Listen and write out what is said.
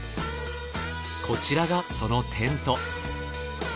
こちらがそのテント。